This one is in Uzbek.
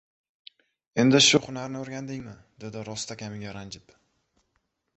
— Endi shu hunarni o‘rgandingmi? — dedi rostakamiga ranjib.